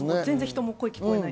声も聞こえない。